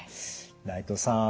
内藤さん